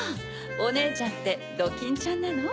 おねえちゃんってドキンちゃんなの？